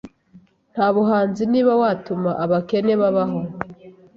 Nta buhanzi Niba watuma abakene babaho